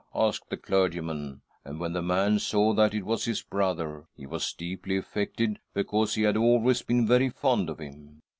asked the clergyman, and when the man saw that it was his brother, he was deeply affected, because he had always been very fond of him.